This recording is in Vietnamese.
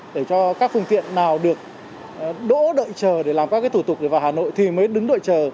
để cho các phương tiện nào được đỗ đợi chờ để làm các thủ tục để vào hà nội thì mới đứng đợi chờ